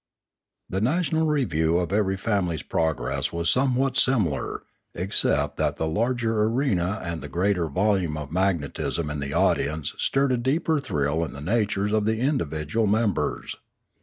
The national review of every family's progress was somewhat similar, except that the larger arena and the greater volume of magnetism in the audience stirred a deeper thrill in the natures of the individual members.